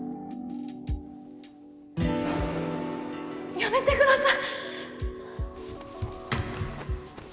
やめてください！